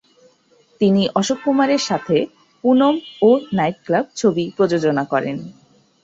তিনি অশোক কুমারের সাথে "পুনম" ও "নাইট ক্লাব" ছবি প্রযোজনা করেন।